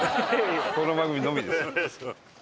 この番組のみです。